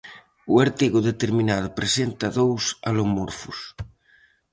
O artigo determinado presenta dous alomorfos.